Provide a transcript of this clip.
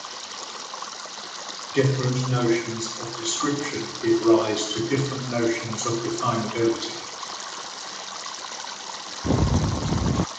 Different notions of description give rise to different notions of definability.